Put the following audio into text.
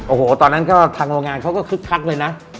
โอ้โหตอนนั้นก็ทางโรงงานเขาก็คึกคักเลยนะ